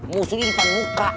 musuh di depan muka